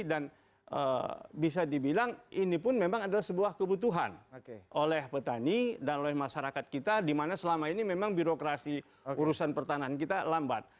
dan bisa dibilang ini pun memang adalah sebuah kebutuhan oleh petani dan oleh masyarakat kita di mana selama ini memang birokrasi urusan pertanian kita lambat